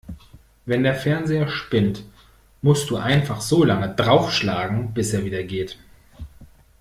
Wenn der Fernseher spinnt, musst du einfach so lange draufschlagen, bis er wieder geht.